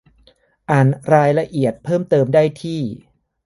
อ่านรายละเอียดเพิ่มเติมได้ที่